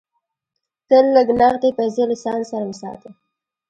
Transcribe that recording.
تل لږ نغدې پیسې له ځان سره وساته.